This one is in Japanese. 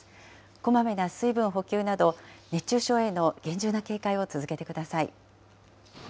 こまめな水分補給など、熱中症への厳重な警戒を続けてください。